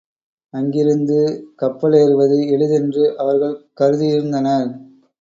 அங்கிருந்து கப்பலேறுவது எளிதென்று அவர்கள் கருதியிருந்தனர்.